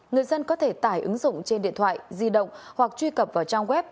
người dân có thể tải ứng dụng trên điện thoại di động hoặc truy cập vào trang web